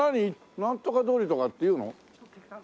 なんとか通りとかっていうの？